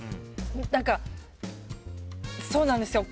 何か、そうなんですよ。